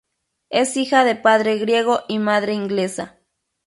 Es hija de padre griego y madre inglesa.